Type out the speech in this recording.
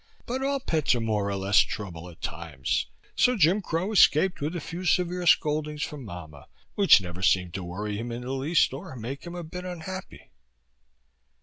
But all pets are more or less trouble, at times, so Jim Crow escaped with a few severe scoldings from mamma, which never seemed to worry him in the least or make him a bit unhappy.